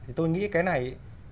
thì tôi nghĩ cái này